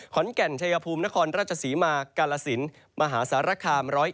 ขอนแก่นชายภูมินครราชสีมากาลสินมหาสารคาม๑๐๑